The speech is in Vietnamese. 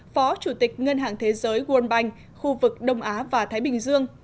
phó chủ tịch ngân hàng thế giới world bank khu vực đông á và thái bình dương